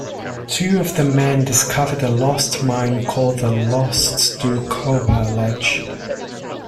Two of the men discovered a Lost Mine called the Lost Doukhobor Ledge.